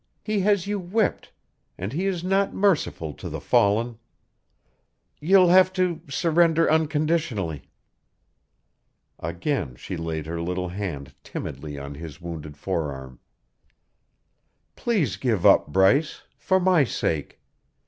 He has you whipped and he is not merciful to the fallen. You'll have to surrender unconditionally." Again she laid her little hand timidly on his wounded forearm. "Please give up, Bryce for my sake.